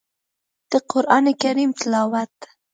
د قران کريم تلاوت